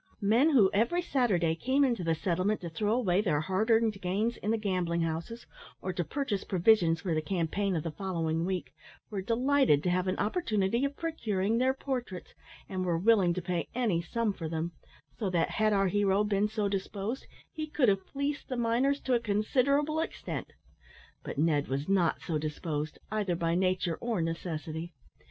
Men who every Saturday came into the settlement to throw away their hard earned gains in the gambling houses, or to purchase provisions for the campaign of the following week, were delighted to have an opportunity of procuring their portraits, and were willing to pay any sum for them, so that, had our hero been so disposed, he could have fleeced the miners to a considerable extent. But Ned was not so disposed, either by nature or necessity.